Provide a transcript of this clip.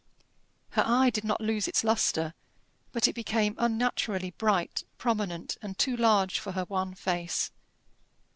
Her eye did not lose its lustre, but it became unnaturally bright, prominent, and too large for her wan face.